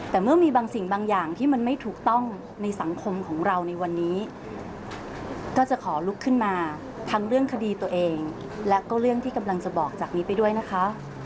แต่เมื่อมีบางสิ่งบางอย่างที่มันไม่ถูกต้องในสังคมของเราในวันนี้ก็จะขอลุกขึ้นมาทั้งเรื่องคดีตัวเองและก็เรื่องที่กำลังจะบอกจากนี้ไปด้วยนะคะ